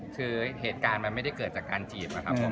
คือเหตุการณ์มันไม่ได้เกิดจากการจีบนะครับผม